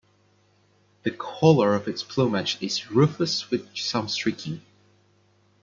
The colour of its plumage is rufous with some streaking.